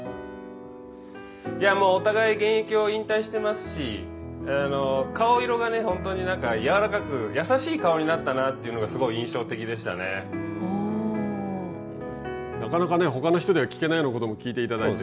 お互い現役を引退してますし、顔色が本当に柔らかく優しい顔になったなというのがなかなか、ほかの人では聞けないようなことも聞いていただいて。